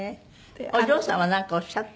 お嬢さんはなんかおっしゃった？